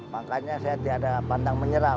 makanya saya tidak pandang menyerah